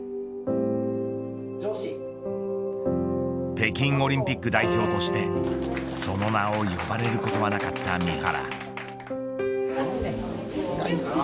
北京オリンピック代表としてその名を呼ばれることはなかった三原。